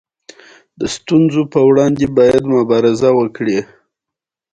غوماشې د ځینو پرتو ناروغیو انتقالوونکې دي.